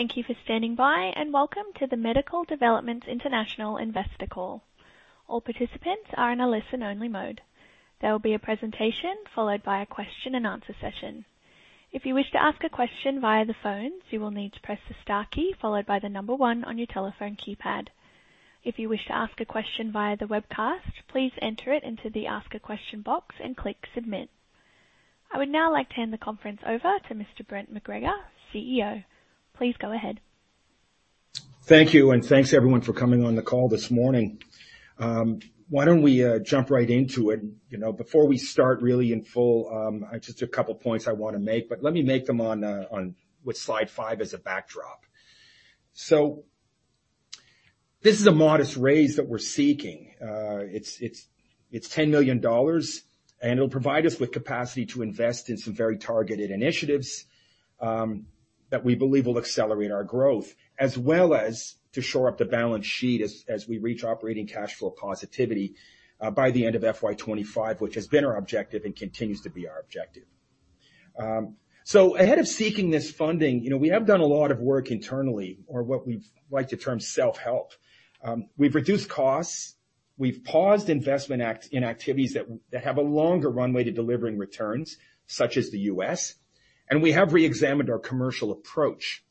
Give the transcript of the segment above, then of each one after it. Thank you for standing by, and welcome to the Medical Developments International Investor Call. All participants are in a listen-only mode. There will be a presentation followed by a question and answer session. If you wish to ask a question via the phone, you will need to press the star key followed by the number one on your telephone keypad. If you wish to ask a question via the webcast, please enter it into the Ask a Question box and click Submit. I would now like to hand the conference over to Mr. Brent MacGregor, CEO. Please go ahead. Thank you, and thanks, everyone, for coming on the call this morning. Why don't we jump right into it? You know, before we start really in full, just a couple of points I want to make, but let me make them on... With slide five as a backdrop. This is a modest raise that we're seeking. It's, it's, it's 10 million dollars, and it'll provide us with capacity to invest in some very targeted initiatives that we believe will accelerate our growth, as well as to shore up the balance sheet as, as we reach operating cash flow positivity by the end of FY25, which has been our objective and continues to be our objective. Ahead of seeking this funding, you know, we have done a lot of work internally or what we've like to term self-help. We've reduced costs, we've paused investment in activities that have a longer runway to delivering returns, such as the U.S. We have reexamined our commercial approach.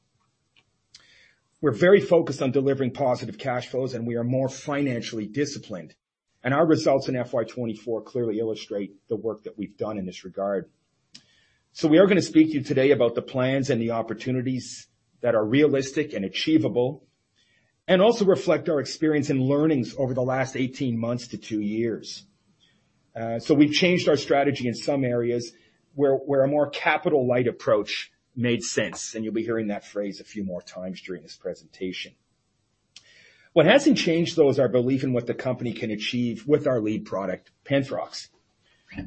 We're very focused on delivering positive cash flows. We are more financially disciplined. Our results in FY24 clearly illustrate the work that we've done in this regard. We are going to speak to you today about the plans and the opportunities that are realistic and achievable, and also reflect our experience and learnings over the last 18 months to two years. We've changed our strategy in some areas where a more capital-light approach made sense, and you'll be hearing that phrase a few more times during this presentation. What hasn't changed, though, is our belief in what the company can achieve with our lead product, Penthrox.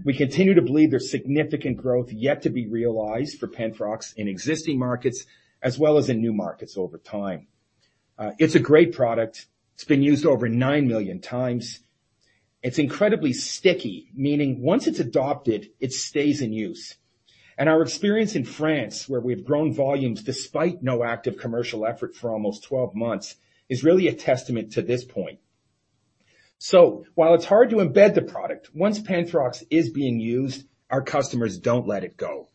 We continue to believe there's significant growth yet to be realized for Penthrox in existing markets as well as in new markets over time. It's a great product. It's been used over nine million times. It's incredibly sticky, meaning once it's adopted, it stays in use. Our experience in France, where we've grown volumes despite no active commercial effort for almost 12 months, is really a testament to this point. While it's hard to embed the product, once Penthrox is being used, our customers don't let it go,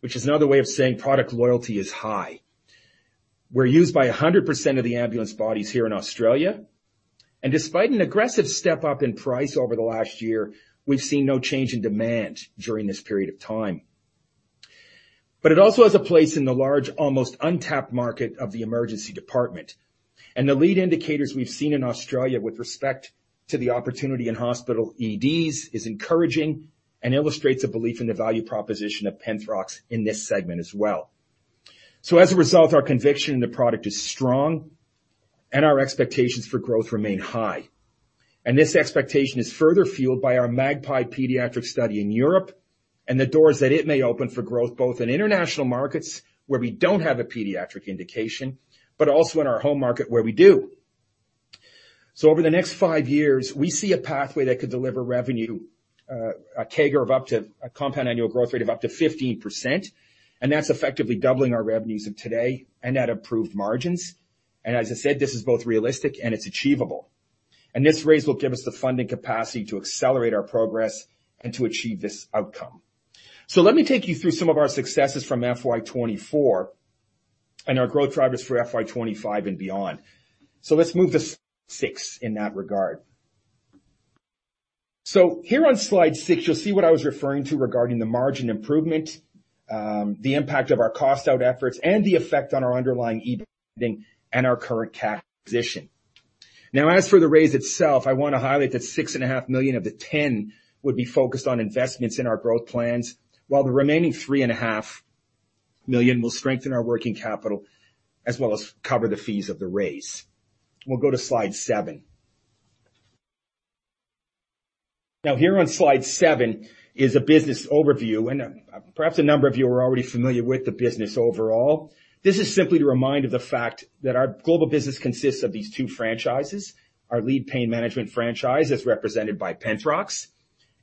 which is another way of saying product loyalty is high. We're used by 100% of the ambulance bodies here in Australia, despite an aggressive step-up in price over the last year, we've seen no change in demand during this period of time. It also has a place in the large, almost untapped market of the emergency department. The lead indicators we've seen in Australia with respect to the opportunity in hospital EDs is encouraging and illustrates a belief in the value proposition of Penthrox in this segment as well. As a result, our conviction in the product is strong, and our expectations for growth remain high. This expectation is further fueled by our MAGPIE pediatric study in Europe and the doors that it may open for growth, both in international markets, where we don't have a pediatric indication, but also in our home market, where we do. Over the next five years, we see a pathway that could deliver revenue, a CAGR of up to-- a compound annual growth rate of up to 15%, and that's effectively doubling our revenues of today and at approved margins. As I said, this is both realistic and it's achievable. This raise will give us the funding capacity to accelerate our progress and to achieve this outcome. Let me take you through some of our successes from FY24 and our growth drivers for FY25 and beyond. Let's move to six in that regard. Here on slide six, you'll see what I was referring to regarding the margin improvement, the impact of our cost-out efforts, and the effect on our underlying EBIT and our current cash position. As for the raise itself, I want to highlight that 6.5 million of the 10 would be focused on investments in our growth plans, while the remaining 3.5 million will strengthen our working capital, as well as cover the fees of the raise. We'll go to slide seven. Here on slide seven is a business overview, and perhaps a number of you are already familiar with the business overall. This is simply to remind you of the fact that our global business consists of these two franchises. Our lead pain management franchise is represented by Penthrox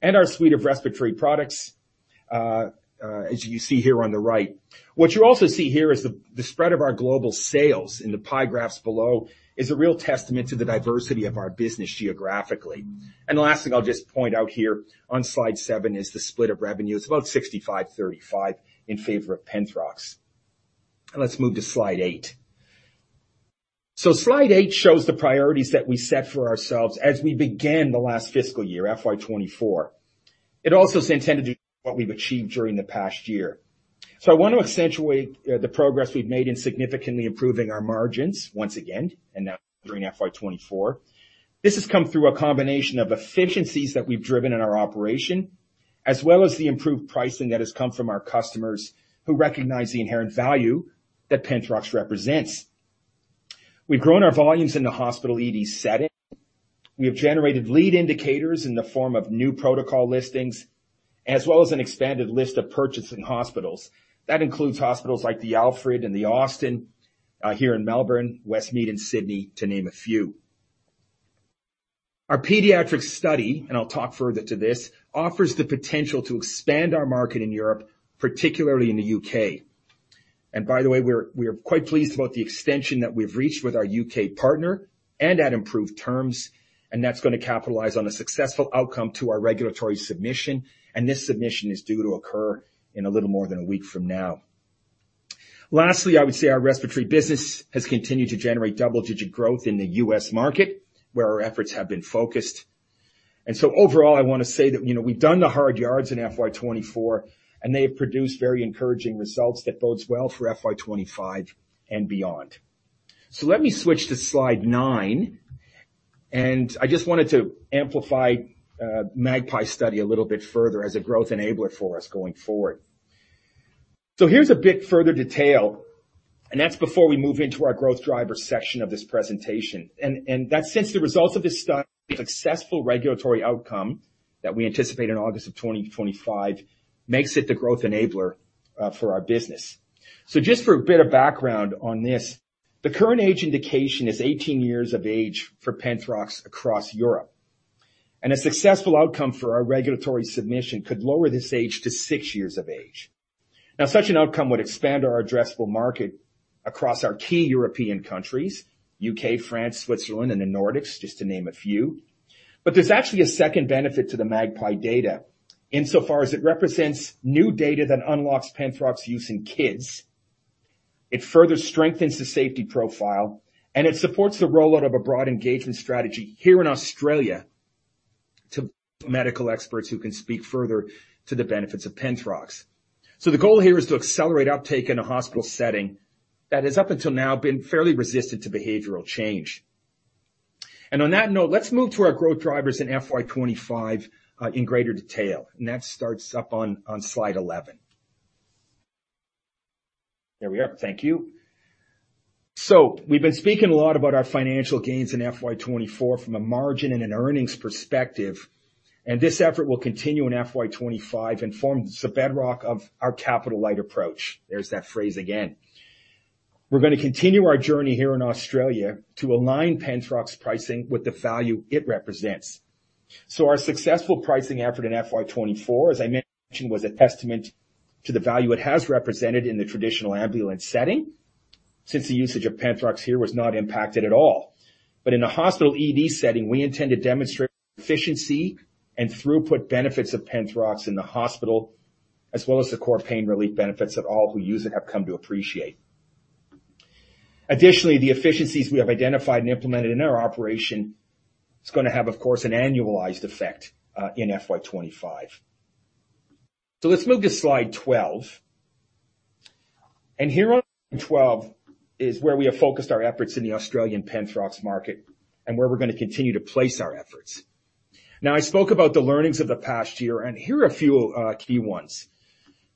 and our suite of respiratory products, as you see here on the right. What you also see here is the, the spread of our global sales, and the pie graphs below is a real testament to the diversity of our business geographically. The last thing I'll just point out here on slide seven is the split of revenues, about 65, 35 in favor of Penthrox. Let's move to slide eight. Slide eight shows the priorities that we set for ourselves as we began the last fiscal year, FY24. It also is intended to be what we've achieved during the past year. I want to accentuate the progress we've made in significantly improving our margins once again, and now during FY24. This has come through a combination of efficiencies that we've driven in our operation, as well as the improved pricing that has come from our customers who recognize the inherent value that Penthrox represents. We've grown our volumes in the hospital ED setting. We have generated lead indicators in the form of new protocol listings, as well as an expanded list of purchasing hospitals. That includes hospitals like The Alfred and the Austin, here in Melbourne, Westmead Hospital in Sydney, to name a few. Our pediatric study, and I'll talk further to this, offers the potential to expand our market in Europe, particularly in the U.K. By the way, we're, we are quite pleased about the extension that we've reached with our U.K. partner and at improved terms, and that's going to capitalize on a successful outcome to our regulatory submission, and this submission is due to occur in a little more than a week from now. Lastly, I would say our respiratory business has continued to generate double-digit growth in the U.S. market, where our efforts have been focused. Overall, I want to say that, you know, we've done the hard yards in FY24, and they have produced very encouraging results that bodes well for FY25 and beyond. Let me switch to slide nine, and I just wanted to amplify MAGPIE study a little bit further as a growth enabler for us going forward. Here's a bit further detail, and that's before we move into our growth driver section of this presentation. That since the results of this study, successful regulatory outcome that we anticipate in August of 2025, makes it the growth enabler for our business. Just for a bit of background on this, the current age indication is 18 years of age for Penthrox across Europe, and a successful outcome for our regulatory submission could lower this age to six years of age. Now, such an outcome would expand our addressable market across our key European countries, UK, France, Switzerland, and the Nordics, just to name a few. There's actually a second benefit to the MAGPIE data insofar as it represents new data that unlocks Penthrox use in kids. It further strengthens the safety profile, and it supports the rollout of a broad engagement strategy here in Australia to medical experts who can speak further to the benefits of Penthrox. The goal here is to accelerate uptake in a hospital setting that has up until now been fairly resistant to behavioral change. On that note, let's move to our growth drivers in FY25 in greater detail, and that starts up on, on slide 11. There we are. Thank you. We've been speaking a lot about our financial gains in FY24 from a margin and an earnings perspective, and this effort will continue in FY25 and forms the bedrock of our capital-light approach. There's that phrase again. We're going to continue our journey here in Australia to align Penthrox pricing with the value it represents. Our successful pricing effort in FY24, as I mentioned, was a testament to the value it has represented in the traditional ambulance setting, since the usage of Penthrox here was not impacted at all. In a hospital ED setting, we intend to demonstrate efficiency and throughput benefits of Penthrox in the hospital, as well as the core pain relief benefits that all who use it have come to appreciate. Additionally, the efficiencies we have identified and implemented in our operation is going to have, of course, an annualized effect in FY25. Let's move to slide 12. Here on 12 is where we have focused our efforts in the Australian Penthrox market and where we're going to continue to place our efforts. Now, I spoke about the learnings of the past year, and here are a few key ones.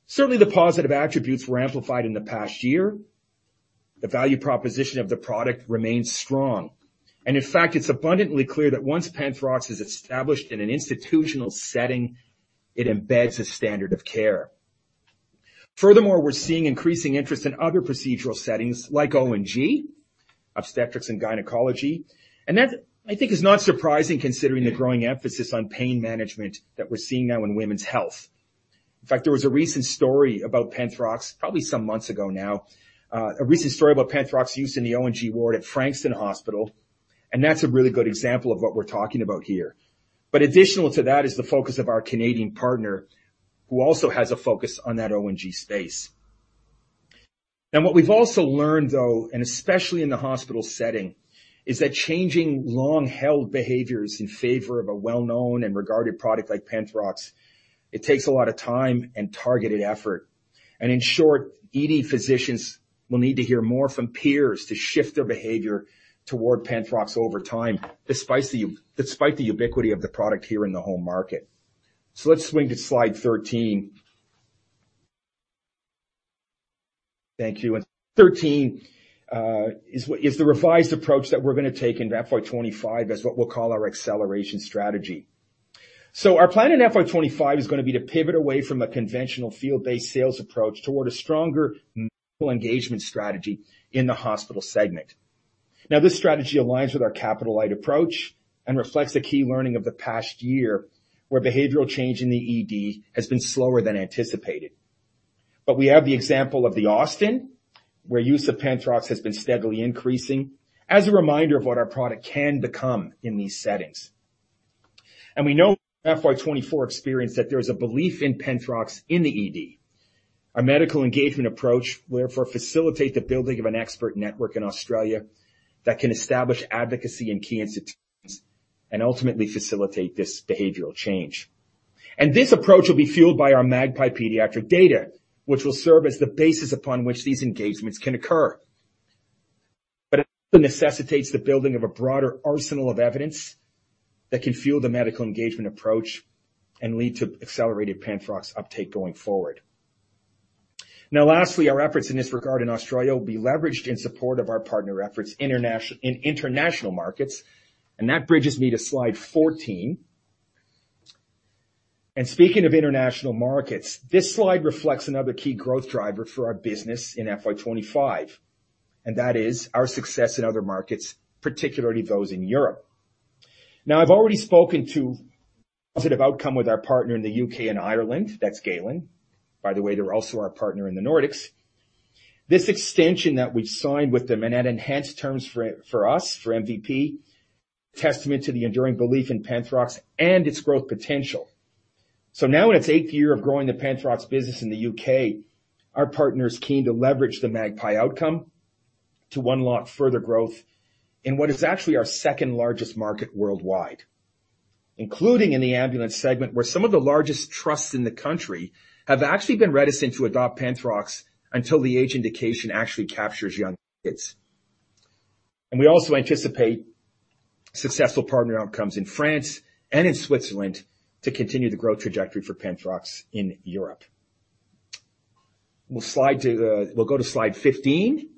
Certainly, the positive attributes were amplified in the past year. The value proposition of the product remains strong, and in fact, it's abundantly clear that once Penthrox is established in an institutional setting, it embeds a standard of care. Furthermore, we're seeing increasing interest in other procedural settings like O&G, obstetrics and gynecology. That, I think, is not surprising, considering the growing emphasis on pain management that we're seeing now in women's health. In fact, there was a recent story about Penthrox, probably some months ago now. A recent story about Penthrox use in the O&G ward at Frankston Hospital, and that's a really good example of what we're talking about here. Additional to that is the focus of our Canadian partner, who also has a focus on that O&G space. What we've also learned, though, and especially in the hospital setting, is that changing long-held behaviors in favor of a well-known and regarded product like Penthrox, it takes a lot of time and targeted effort. In short, ED physicians will need to hear more from peers to shift their behavior toward Penthrox over time, despite the ubiquity of the product here in the home market. Let's swing to slide 13. Thank you. 13 is the revised approach that we're going to take into FY25, as what we'll call our acceleration strategy. Our plan in FY25 is going to be to pivot away from a conventional field-based sales approach toward a stronger medical engagement strategy in the hospital segment. Now, this strategy aligns with our capital-light approach and reflects a key learning of the past year, where behavioral change in the ED has been slower than anticipated. We have the example of the Austin, where use of Penthrox has been steadily increasing, as a reminder of what our product can become in these settings. We know FY24 experience, that there is a belief in Penthrox in the ED. Our medical engagement approach will therefore facilitate the building of an expert network in Australia that can establish advocacy in key institutions and ultimately facilitate this behavioral change. This approach will be fueled by our MAGPIE pediatric data, which will serve as the basis upon which these engagements can occur. It also necessitates the building of a broader arsenal of evidence that can fuel the medical engagement approach and lead to accelerated Penthrox uptake going forward. Lastly, our efforts in this regard in Australia will be leveraged in support of our partner efforts in international markets, that bridges me to slide 14. Speaking of international markets, this slide reflects another key growth driver for our business in FY25, that is our success in other markets, particularly those in Europe. I've already spoken to positive outcome with our partner in the UK and Ireland. That's Galen, by the way, they're also our partner in the Nordics. This extension that we've signed with them, at enhanced terms for, for us, for MDI, testament to the enduring belief in Penthrox and its growth potential. Now, in its eighth year of growing the Penthrox business in the U.K., our partner is keen to leverage the MAGPIE outcome to unlock further growth in what is actually our second-largest market worldwide, including in the ambulance segment, where some of the largest trusts in the country have actually been reticent to adopt Penthrox until the age indication actually captures young kids. We also anticipate successful partner outcomes in France and in Switzerland to continue the growth trajectory for Penthrox in Europe. We'll go to slide 15.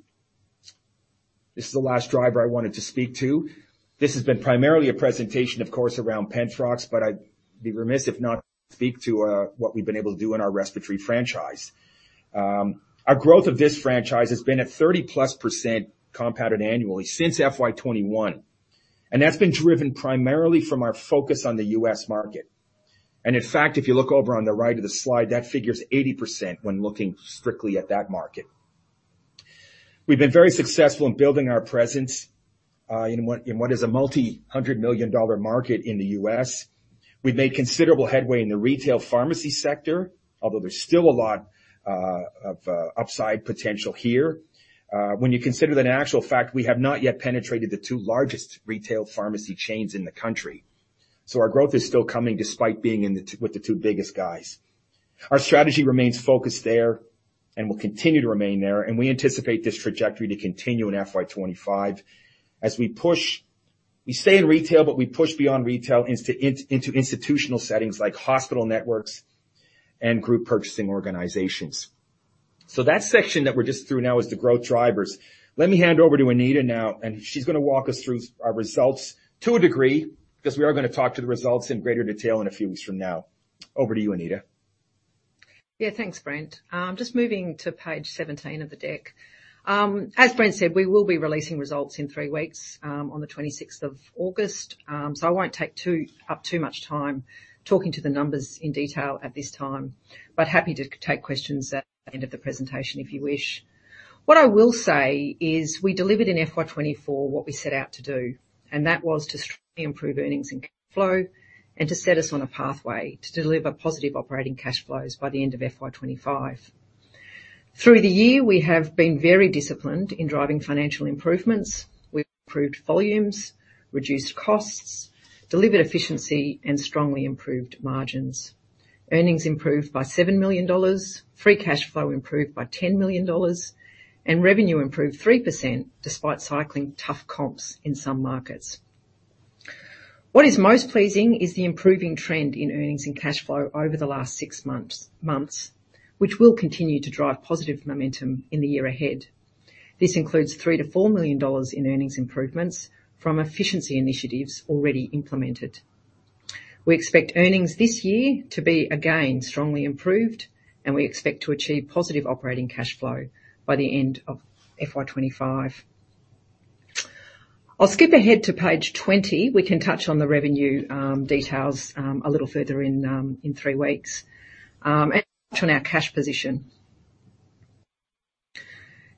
This is the last driver I wanted to speak to. This has been primarily a presentation, of course, around Penthrox, I'd be remiss if not speak to what we've been able to do in our respiratory franchise. Our growth of this franchise has been at 30+% compounded annually since FY21, and that's been driven primarily from our focus on the U.S. market. In fact, if you look over on the right of the slide, that figure is 80% when looking strictly at that market. We've been very successful in building our presence, in what is a multi-hundred million-dollar market in the U.S. We've made considerable headway in the retail pharmacy sector, although there's still a lot of upside potential here. When you consider that in actual fact, we have not yet penetrated the two largest retail pharmacy chains in the country. Our growth is still coming despite being with the two biggest guys. Our strategy remains focused there and will continue to remain there, and we anticipate this trajectory to continue in FY25 as we push. We stay in retail, but we push beyond retail into institutional settings like hospital networks and group purchasing organizations. That section that we're just through now is the growth drivers. Let me hand over to Anita now, and she's going to walk us through our results to a degree, because we are going to talk to the results in greater detail in a few weeks from now. Over to you, Anita. Yeah, thanks, Brent. Just moving to page 17 of the deck. As Brent said, we will be releasing results in three weeks, on the 26th of August. I won't take up too much time talking to the numbers in detail at this time, but happy to take questions at the end of the presentation, if you wish. What I will say is we delivered in FY24 what we set out to do, and that was to strongly improve earnings and cash flow and to set us on a pathway to deliver positive operating cash flows by the end of FY25. Through the year, we have been very disciplined in driving financial improvements. We've improved volumes, reduced costs, delivered efficiency, and strongly improved margins. Earnings improved by 7 million dollars, free cash flow improved by 10 million dollars, revenue improved 3%, despite cycling tough comps in some markets. What is most pleasing is the improving trend in earnings and cash flow over the last six months, which will continue to drive positive momentum in the year ahead. This includes 3 million-4 million dollars in earnings improvements from efficiency initiatives already implemented. We expect earnings this year to be, again, strongly improved, we expect to achieve positive operating cash flow by the end of FY25. I'll skip ahead to page 20. We can touch on the revenue details a little further in three weeks, touch on our cash position.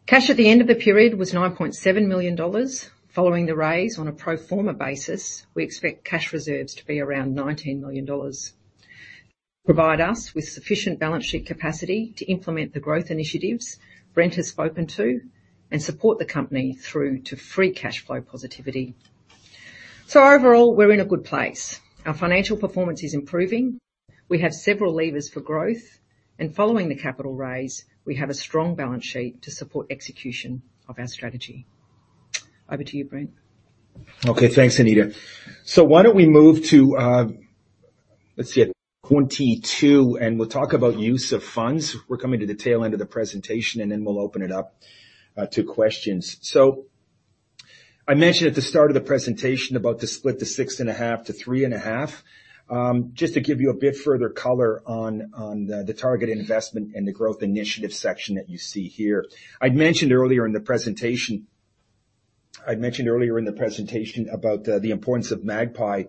Cash at the end of the period was 9.7 million dollars. Following the raise on a pro forma basis, we expect cash reserves to be around 19 million dollars, provide us with sufficient balance sheet capacity to implement the growth initiatives Brent has spoken to and support the company through to free cash flow positivity. Overall, we're in a good place. Our financial performance is improving. We have several levers for growth, and following the capital raise, we have a strong balance sheet to support execution of our strategy. Over to you, Brent. Why don't we move to, let's see, 22, and we'll talk about use of funds. We're coming to the tail end of the presentation, and then we'll open it up to questions. I mentioned at the start of the presentation about the split to 6.5-3.5. Just to give you a bit further color on, on the, the target investment and the growth initiatives section that you see here. I'd mentioned earlier in the presentation about the, the importance of MAGPIE,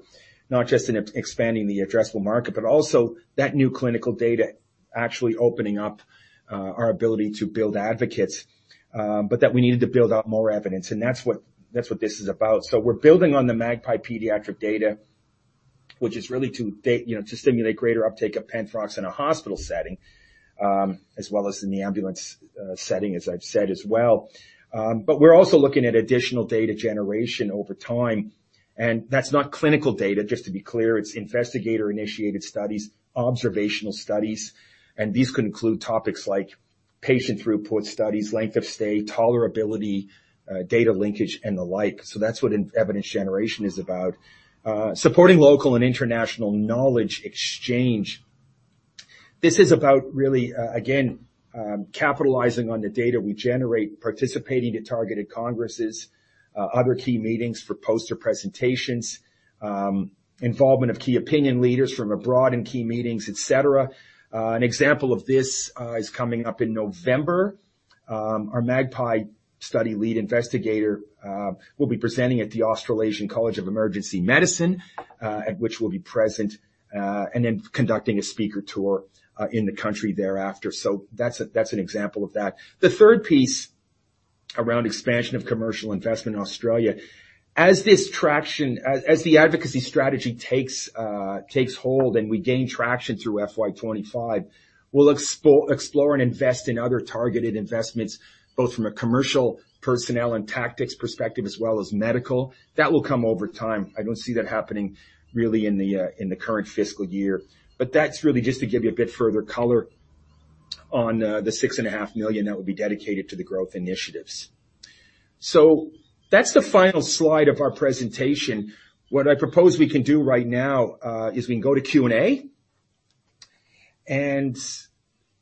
not just in expanding the addressable market, but also that new clinical data actually opening up our ability to build advocates, but that we needed to build out more evidence, and that's what, that's what this is about. We're building on the MAGPIE pediatric data, which is really to you know, to stimulate greater uptake of Penthrox in a hospital setting, as well as in the ambulance setting, as I've said as well. We're also looking at additional data generation over time, and that's not clinical data, just to be clear. It's investigator-initiated studies, observational studies, and these can include topics like patient report studies, length of stay, tolerability, data linkage, and the like. That's what an evidence generation is about. Supporting local and international knowledge exchange- This is about really, again, capitalizing on the data we generate, participating in targeted congresses, other key meetings for poster presentations, involvement of key opinion leaders from abroad in key meetings, et cetera. An example of this is coming up in November. Our MAGPIE study lead investigator will be presenting at the Australasian College for Emergency Medicine, at which we'll be present, and then conducting a speaker tour in the country thereafter. That's a, that's an example of that. The third piece around expansion of commercial investment in Australia, as the advocacy strategy takes hold and we gain traction through FY25, we'll explore and invest in other targeted investments, both from a commercial personnel and tactics perspective as well as medical. That will come over time. I don't see that happening really in the current fiscal year. But that's really just to give you a bit further color on the 6.5 million that will be dedicated to the growth initiatives. That's the final slide of our presentation. What I propose we can do right now, is we can go to Q&A.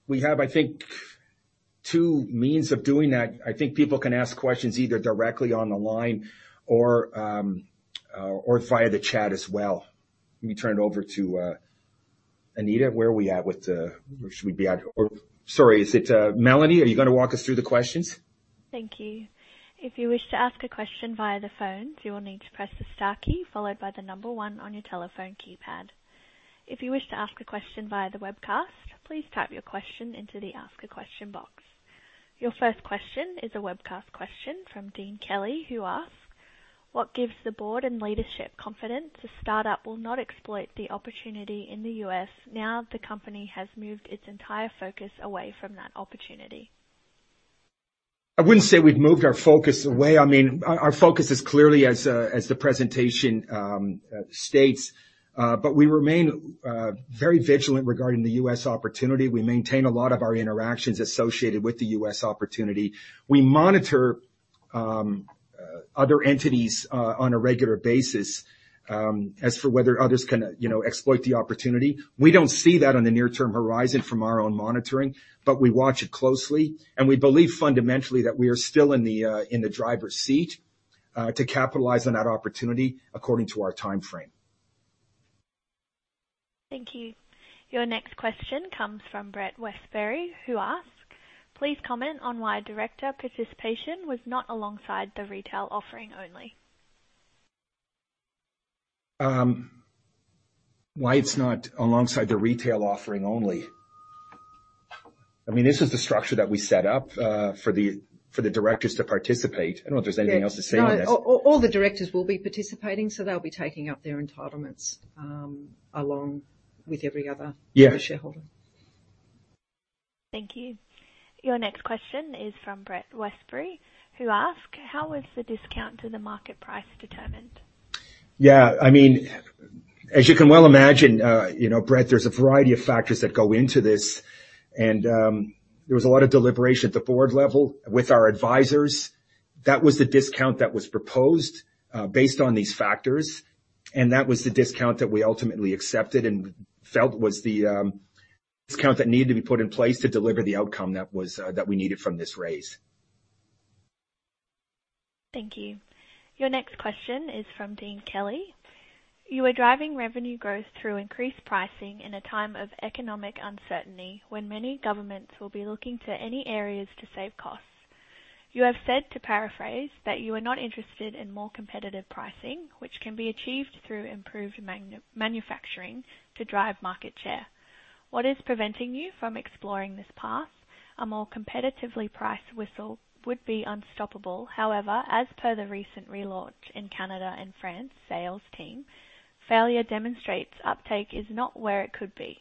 We have, I think, two means of doing that. I think people can ask questions either directly on the line or, or via the chat as well. Let me turn it over to Anita, where are we at with the- should we be at? Sorry, is it, Melanie, are you gonna walk us through the questions? Thank you. If you wish to ask a question via the phone, you will need to press the star key followed by the number one on your telephone keypad. If you wish to ask a question via the webcast, please type your question into the Ask a Question box. Your first question is a webcast question from Dean Kelly, who asks: What gives the board and leadership confidence the startup will not exploit the opportunity in the U.S. now that the company has moved its entire focus away from that opportunity? I wouldn't say we've moved our focus away. I mean, our, our focus is clearly as the presentation states, but we remain very vigilant regarding the US opportunity. We maintain a lot of our interactions associated with the US opportunity. We monitor other entities on a regular basis. As for whether others can, you know, exploit the opportunity, we don't see that on the near term horizon from our own monitoring, but we watch it closely, and we believe fundamentally that we are still in the driver's seat to capitalize on that opportunity according to our timeframe. Thank you. Your next question comes from Brett Westbury, who asks, Please comment on why director participation was not alongside the retail offering only. Why it's not alongside the retail offering only? I mean, this is the structure that we set up for the, for the directors to participate. I don't know if there's anything else to say on this. No, all, all the directors will be participating, so they'll be taking up their entitlements, along with every other- Yeah. -shareholder. Thank you. Your next question is from Brett Westbury, who asks: How was the discount to the market price determined? Yeah, I mean, as you can well imagine, you know, Brett, there's a variety of factors that go into this, and there was a lot of deliberation at the board level with our advisors. That was the discount that was proposed, based on these factors, and that was the discount that we ultimately accepted and felt was the discount that needed to be put in place to deliver the outcome that was that we needed from this raise. Thank you. Your next question is from Dean Kelly. You are driving revenue growth through increased pricing in a time of economic uncertainty, when many governments will be looking to any areas to save costs. You have said, to paraphrase, that you are not interested in more competitive pricing, which can be achieved through improved manufacturing to drive market share. What is preventing you from exploring this path? A more competitively priced whistle would be unstoppable. As per the recent relaunch in Canada and France, sales team, failure demonstrates uptake is not where it could be.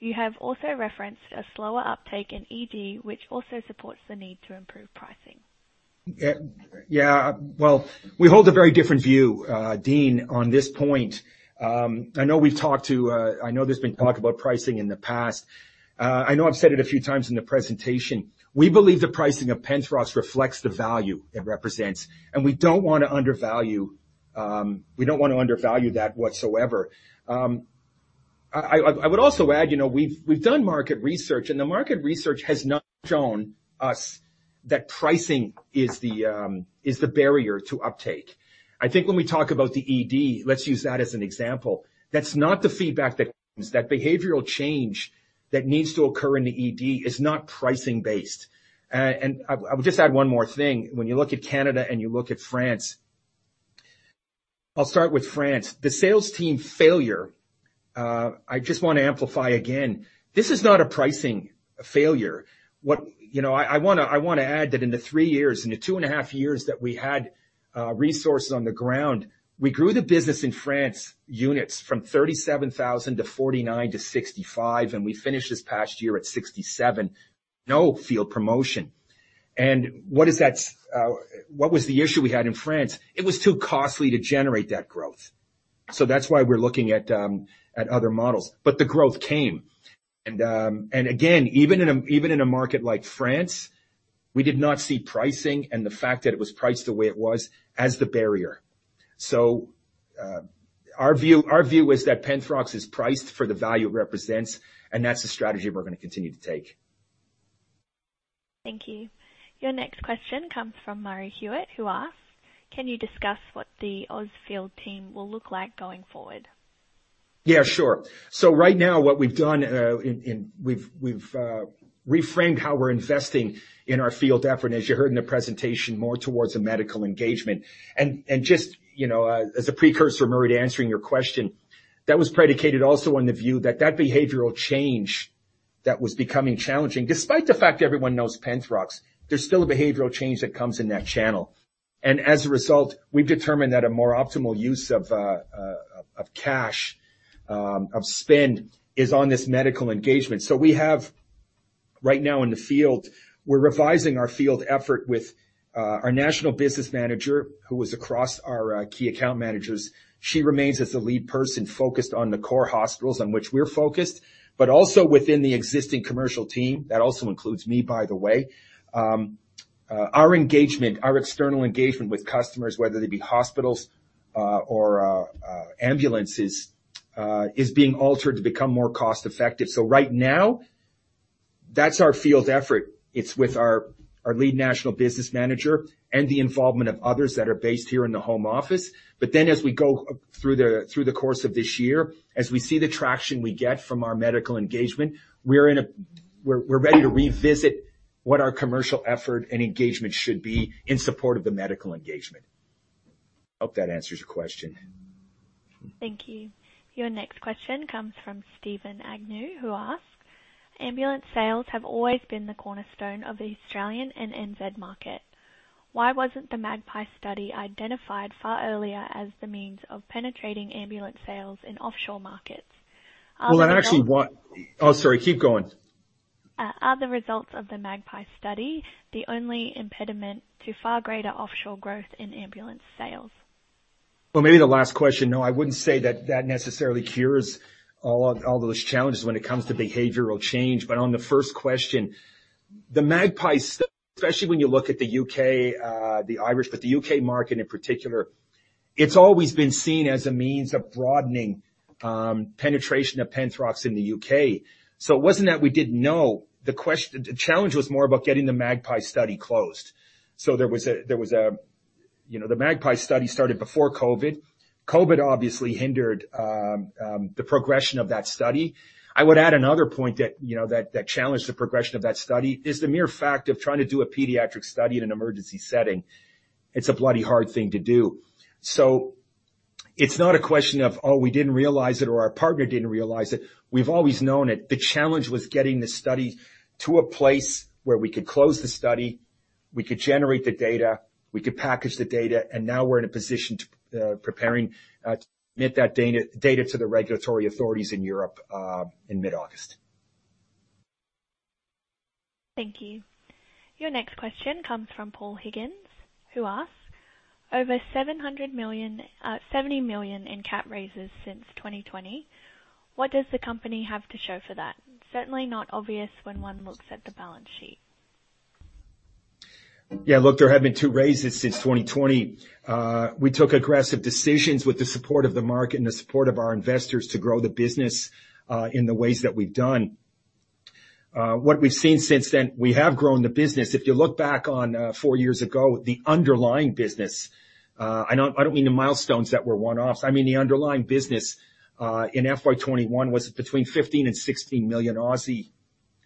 You have also referenced a slower uptake in ED, which also supports the need to improve pricing. Yeah. Yeah, well, we hold a very different view, Dean, on this point. I know we've talked to. I know there's been talk about pricing in the past. I know I've said it a few times in the presentation. We believe the pricing of Penthrox reflects the value it represents. We don't want to undervalue, we don't want to undervalue that whatsoever. I, I, I would also add, you know, we've, we've done market research. The market research has not shown us that pricing is the barrier to uptake. I think when we talk about the ED, let's use that as an example. That's not the feedback that - is that behavioral change that needs to occur in the ED is not pricing based. I, I would just add one more thing. When you look at Canada and you look at France. I'll start with France. The sales team failure, I just want to amplify again, this is not a pricing failure. You know, I, I wanna, I wanna add that in the three years, in the 2.5 years that we had resources on the ground, we grew the business in France, units from 37,000 to 49 to 65, and we finished this past year at 67. No field promotion. What is that, what was the issue we had in France? It was too costly to generate that growth. That's why we're looking at other models. The growth came. Again, even in a, even in a market like France, we did not see pricing and the fact that it was priced the way it was, as the barrier. Our view, our view is that Penthrox is priced for the value it represents, and that's the strategy we're going to continue to take. Thank you. Your next question comes from Murray Hewitt, who asks: Can you discuss what the Oz field team will look like going forward? Yeah, sure. Right now, what we've done, we've reframed how we're investing in our field effort. As you heard in the presentation, more towards a medical engagement. Just, you know, as a precursor, Murray, to answering your question, that was predicated also on the view that that behavioral change that was becoming challenging, despite the fact everyone knows Penthrox, there's still a behavioral change that comes in that channel. As a result, we've determined that a more optimal use of cash, of spend is on this medical engagement. We have. Right now in the field, we're revising our field effort with our national business manager, who was across our key account managers. She remains as the lead person focused on the core hospitals on which we're focused, but also within the existing commercial team. That also includes me, by the way. Our engagement, our external engagement with customers, whether they be hospitals, or ambulances, is being altered to become more cost-effective. Right now, that's our field effort. It's with our, our lead national business manager and the involvement of others that are based here in the home office. As we go up through the, through the course of this year, as we see the traction we get from our medical engagement, we're ready to revisit what our commercial effort and engagement should be in support of the medical engagement. I hope that answers your question. Thank you. Your next question comes from Steven Agnew, who asks: Ambulance sales have always been the cornerstone of the Australian and NZ market. Why wasn't the MAGPIE study identified far earlier as the means of penetrating ambulance sales in offshore markets? Well, and actually, Oh, sorry. Keep going. Are the results of the MAGPIE study, the only impediment to far greater offshore growth in ambulance sales? Well, maybe the last question. No, I wouldn't say that that necessarily cures all, all those challenges when it comes to behavioral change. On the first question, the MAGPIE, especially when you look at the U.K., the Irish, but the U.K. market in particular, it's always been seen as a means of broadening penetration of Penthrox in the U.K. It wasn't that we didn't know. The challenge was more about getting the MAGPIE study closed. You know, the MAGPIE study started before COVID. COVID, obviously, hindered the progression of that study. I would add another point that, you know, that challenged the progression of that study, is the mere fact of trying to do a pediatric study in an emergency setting. It's a bloody hard thing to do. It's not a question of, "Oh, we didn't realize it," or, "Our partner didn't realize it." We've always known it. The challenge was getting the study to a place where we could close the study, we could generate the data, we could package the data, and now we're in a position to, preparing to submit that data, data to the regulatory authorities in Europe in mid-August. Thank you. Your next question comes from Paul Higgins, who asks: Over 70 million in cap raises since 2020, what does the company have to show for that? Certainly not obvious when one looks at the balance sheet. Yeah, look, there have been two raises since 2020. We took aggressive decisions with the support of the market and the support of our investors to grow the business in the ways that we've done. What we've seen since then, we have grown the business. If you look back on four years ago, the underlying business, I don't, I don't mean the milestones that were one-offs. I mean, the underlying business in FY21 was between 15 million-16 million,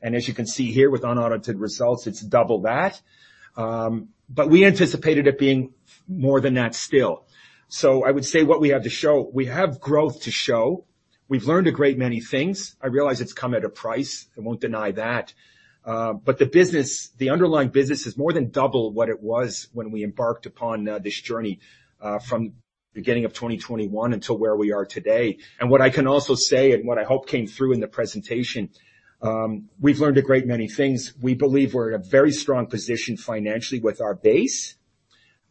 and as you can see here, with unaudited results, it's double that. We anticipated it being more than that still. I would say what we have to show, we have growth to show. We've learned a great many things. I realize it's come at a price. I won't deny that. The business, the underlying business, is more than double what it was when we embarked upon this journey from beginning of 2021 until where we are today. What I can also say, and what I hope came through in the presentation, we've learned a great many things. We believe we're in a very strong position financially with our base,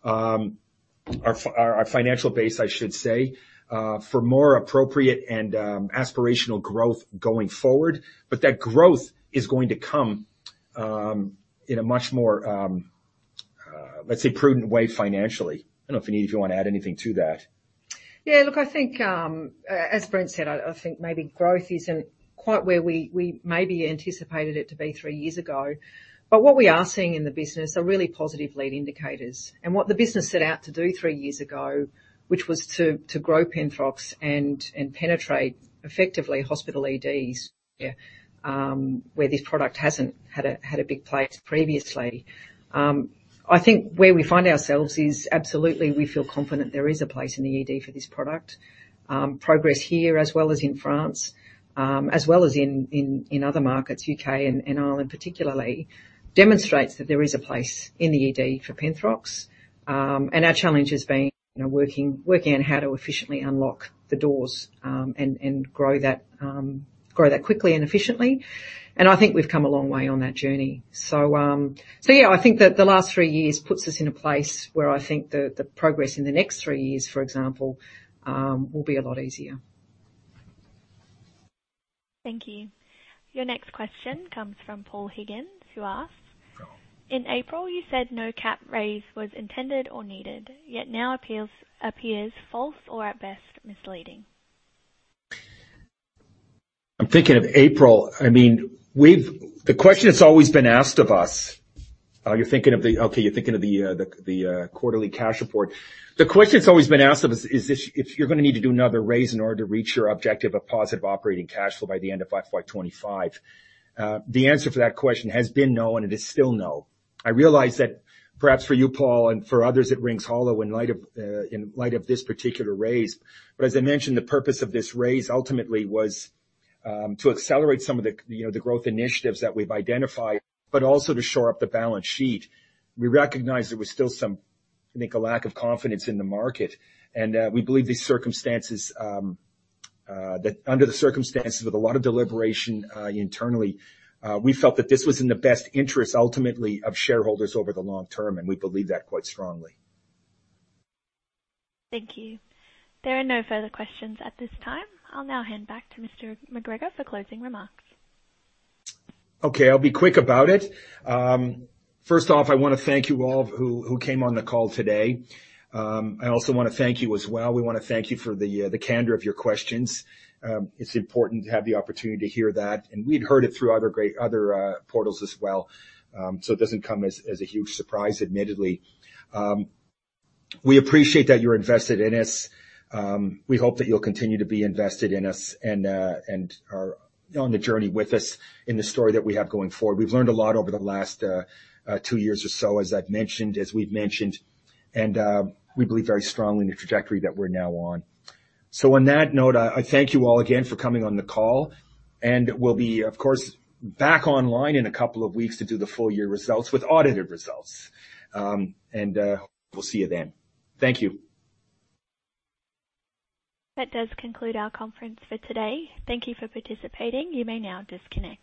our financial base, I should say, for more appropriate and aspirational growth going forward. That growth is going to come in a much more, let's say, prudent way, financially. I don't know if, Niamh, you want to add anything to that? Yeah, look, I think, as Brent said, I, I think maybe growth isn't quite where we, we maybe anticipated it to be three years ago. What we are seeing in the business are really positive lead indicators. What the business set out to do three years ago, which was to, to grow Penthrox and, and penetrate effectively hospital EDs, where this product hasn't had a, had a big place previously. I think where we find ourselves is absolutely, we feel confident there is a place in the ED for this product. Progress here as well as in France, as well as in, in, in other markets, UK and, and Ireland particularly, demonstrates that there is a place in the ED for Penthrox. Our challenge has been, you know, working, working on how to efficiently unlock the doors, and, and grow that, grow that quickly and efficiently. I think we've come a long way on that journey. Yeah, I think that the last three years puts us in a place where I think the, the progress in the next three years, for example, will be a lot easier. Thank you. Your next question comes from Paul Higgins, who asks: In April, you said no cap raise was intended or needed, yet now appears false or at best, misleading. I'm thinking of April. I mean, we've the question that's always been asked of us, you're thinking of the quarterly cash report. The question that's always been asked of us is if, if you're gonna need to do another raise in order to reach your objective of positive operating cash flow by the end of FY25. The answer to that question has been no, and it is still no. I realize that perhaps for you, Paul, and for others, it rings hollow in light of, in light of this particular raise. As I mentioned, the purpose of this raise ultimately was to accelerate some of the, you know, the growth initiatives that we've identified, but also to shore up the balance sheet. We recognized there was still some, I think, a lack of confidence in the market, and we believe these circumstances, that under the circumstances, with a lot of deliberation, internally, we felt that this was in the best interest, ultimately, of shareholders over the long term, and we believe that quite strongly. Thank you. There are no further questions at this time. I'll now hand back to Mr. MacGregor for closing remarks. Okay, I'll be quick about it. First off, I wanna thank you all, who, who came on the call today. I also wanna thank you as well. We wanna thank you for the candor of your questions. It's important to have the opportunity to hear that, and we'd heard it through other great, other, portals as well. It doesn't come as, as a huge surprise, admittedly. We appreciate that you're invested in us. We hope that you'll continue to be invested in us and are on the journey with us in the story that we have going forward. We've learned a lot over the last two years or so, as I've mentioned, as we've mentioned, and we believe very strongly in the trajectory that we're now on. On that note, I, I thank you all again for coming on the call, and we'll be, of course, back online in a couple of weeks to do the full year results with audited results. We'll see you then. Thank you. That does conclude our conference for today. Thank you for participating. You may now disconnect.